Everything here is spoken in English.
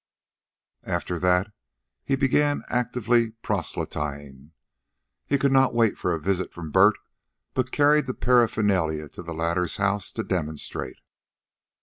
After that he began active proselyting. He could not wait a visit from Bert, but carried the paraphernalia to the latter's house to demonstrate.